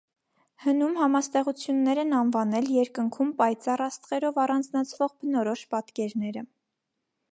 Հնում համաստեղություններ են անվանել երկնքում պայծառ աստղերով առանձնացվող բնորոշ պատկերները։